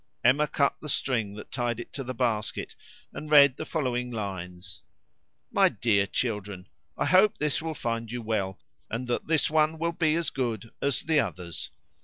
Emma cut the string that tied it to the basket, and read the following lines: "My Dear Children I hope this will find you well, and that this one will be as good as the others.